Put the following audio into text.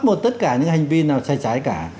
mà tất cả những hành vi nào sai trái cả